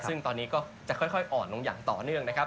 ซึ่งตอนนี้ก็จะค่อยอ่อนลงอย่างต่อเนื่องนะครับ